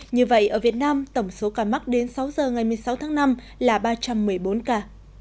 như vậy ở việt nam tổng số ca mắc đến sáu giờ ngày một mươi sáu tháng năm là ba trăm một mươi bốn ca